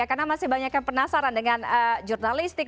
karena masih banyak yang penasaran dengan jurnalistik